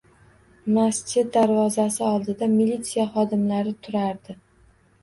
Masjid darvozasi oldida militsiya hodimlari turardi